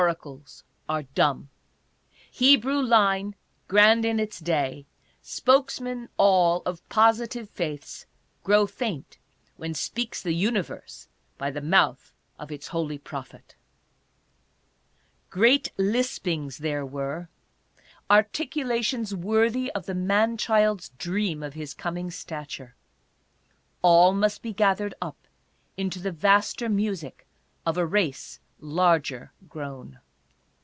Oracles are dumb. Hebrew line, grand in its day, spokesmen all of positive faiths, grow faint when speaks the Universe by the mouth of its holy prophet. Great lispings there were, articulations worthy the man child's dream of his coming stature. All must be gathered up into the vaster music of a race larger grown.